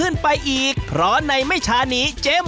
ขอบคุณมากด้วยค่ะพี่ทุกท่านเองนะคะขอบคุณมากด้วยค่ะพี่ทุกท่านเองนะคะ